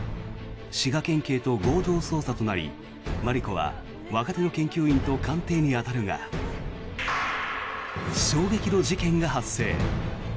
滋賀県警と合同捜査となりマリコは若手の研究員と鑑定に当たるが衝撃の事件が発生。